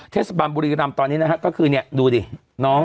เทศบาลบุรีรำตอนนี้นะฮะก็คือเนี่ยดูดิน้อง